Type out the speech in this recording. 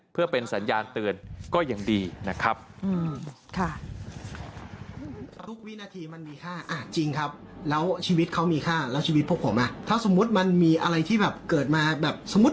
เพื่อเป็นสัญญาณเตือนก็ยังดีนะครับ